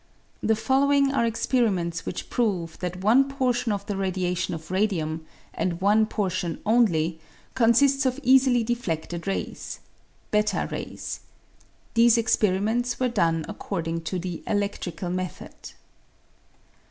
The following are experiments which prove that one portion of the radiation of radium, and one portion only, consists of easily defleded rays (i3 rays). These experi ments were done according to the eledrical method.